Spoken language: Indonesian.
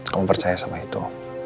kamu percaya sama itu